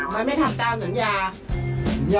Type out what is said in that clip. มันไม่ทำตามสัญญา